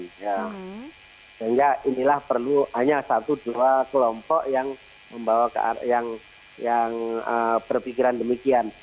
sehingga inilah perlu hanya satu dua kelompok yang membawa yang berpikiran demikian